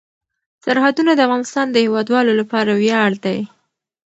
سرحدونه د افغانستان د هیوادوالو لپاره ویاړ دی.